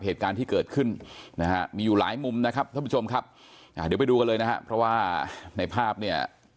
เหตุการณ์ที่เกิดขึ้นนะฮะมีอยู่หลายมุมนะครับท่านผู้ชมครับอ่าเดี๋ยวไปดูกันเลยนะฮะเพราะว่าในภาพเนี่ย